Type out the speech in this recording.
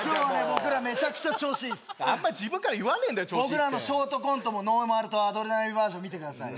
僕らめちゃくちゃ調子いいっすあんま自分から言わねえんだよ調子いいって僕らのショートコントもノーマルとアドレナリンバージョン見てください